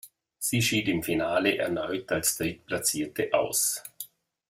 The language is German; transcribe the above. Sie schied im Finale erneut als Drittplatzierte aus.